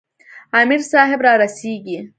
امیر صاحب را رسیږي.